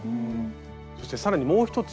そして更にもう一つ。